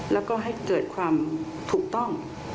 แล้วก็ให้เกิดความถูกต้อง